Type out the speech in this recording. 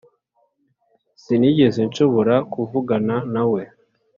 sinigeze nshobora kuvugana nawe.